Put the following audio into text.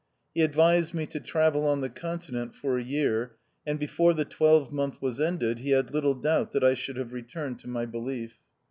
He advised me to travel on o the Continent for a year, and before the twelvemonth was ended he had little doubt that I should have returned to my belief.